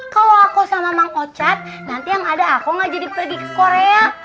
kalau aku sama mang ocat nanti yang ada aku gak jadi pergi ke korea